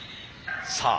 さあ